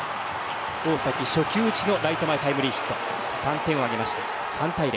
大崎、初球打ちのライト前タイムリーヒット３点を挙げました。